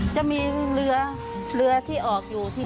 จะมีเรือเรือที่ออกอยู่ที่